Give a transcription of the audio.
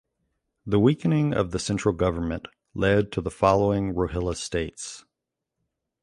The weakening of the central government led to the following Rohilla States.